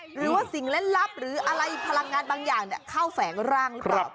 หรือว่าสิ่งเล่นลับหรืออะไรพลังงานบางอย่างเข้าแสงรัง